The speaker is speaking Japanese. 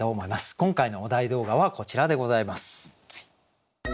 今回のお題動画はこちらでございます。